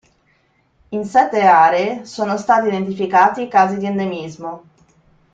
In sette aree sono stati identificati casi di endemismo.